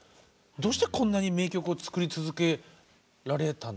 どうしてこんなに名曲を作り続けられたんでしょう？